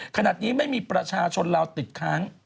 ขณะนี้ไม่มีประชาชนลาวติดค้าง